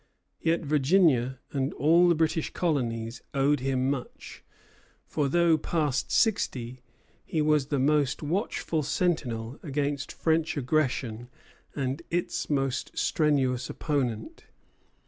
Yet Virginia and all the British colonies owed him much; for, though past sixty, he was the most watchful sentinel against French aggression and its most strenuous opponent.